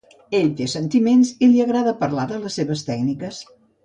Ell té sentiments i li agrada parlar de les seves tècniques.